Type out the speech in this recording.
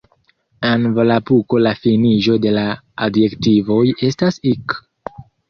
En Volapuko la finiĝo de la adjektivoj estas "-ik".